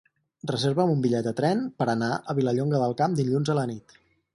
Reserva'm un bitllet de tren per anar a Vilallonga del Camp dilluns a la nit.